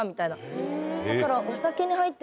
だから。